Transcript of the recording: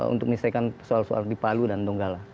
untuk menyelesaikan soal soal di palu dan donggala